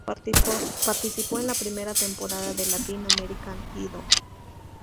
Participó en la primera temporada de Latin American Idol.